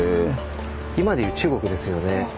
今でいう中国ですよね。